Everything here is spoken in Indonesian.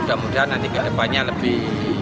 mudah mudahan nanti ke depannya lebih